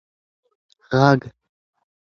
ږغ